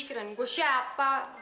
keren gue siapa